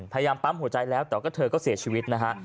พยายามปั๊มหัวใจแล้วแต่ว่าเธอก็เสียชีวิตนะฮะ